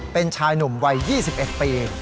เป็นชายหนุ่มวัย๒๑ปี